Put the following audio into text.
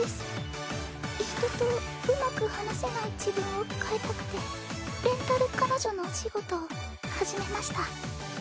人とうまく話せない自分を変えたくてレンタル彼女のお仕事を始めました。